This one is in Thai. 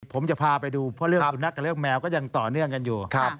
ผมจะพาไปดูเพราะเรื่องสุนัขกับเรื่องแมวก็ยังต่อเนื่องกันอยู่